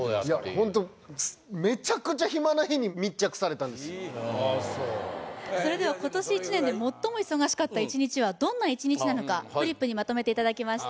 ホントああそうそれでは今年１年で最も忙しかった１日はどんな１日なのかフリップにまとめていただきました